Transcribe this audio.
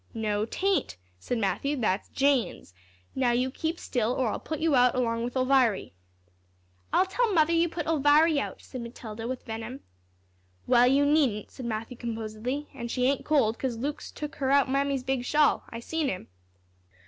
"No, 'tain't," said Matthew, "that's Jane's. Now you keep still, or I'll put you out along with Elviry." "I'll tell Mother you put Elviry out," said Matilda, with venom. "Well, you needn't," said Matthew, composedly; "an' she ain't cold, 'cause Luke's took her out Mammy's big shawl. I seen him."